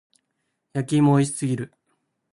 焼き芋美味しすぎる。